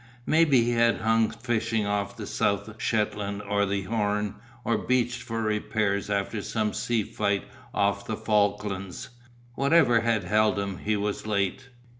Maybe he had hung fishing off the South Shetlands or the Horn, or beached for repairs after some sea fight off the Falklands; whatever had held him he was late.